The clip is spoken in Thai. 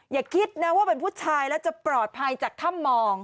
อย่าคิดนะว่าเป็นผู้ชายแล้วจะปลอดภัยจากถ้ำมอง